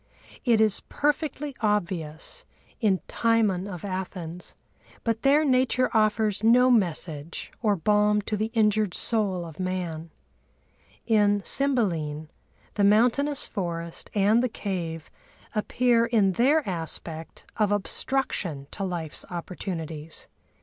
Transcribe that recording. It is perfectly obvious in Timon of Athens—but there Nature offers no message or balm to the injured soul of man. In Cymbeline the mountainous forest and the cave appear in their aspect of obstruction to life's opportunities.